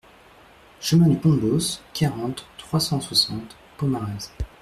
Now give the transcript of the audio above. Chemin du Pont du Bos, quarante, trois cent soixante Pomarez